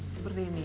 seperti ini ya